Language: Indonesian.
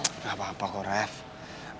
maaf banget ya maaf banget aku tuh bener bener lupa ya